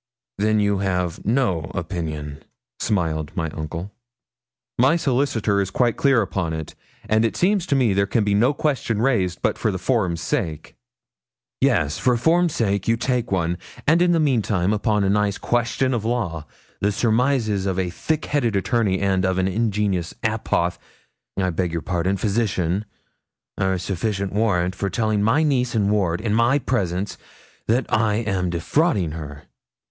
'Then you have no opinion?' smiled my uncle. 'My solicitor is quite clear upon it; and it seems to me there can be no question raised, but for form's sake.' 'Yes, for form's sake you take one, and in the meantime, upon a nice question of law, the surmises of a thick headed attorney and of an ingenious apoth I beg pardon, physician are sufficient warrant for telling my niece and ward, in my presence, that I am defrauding her!'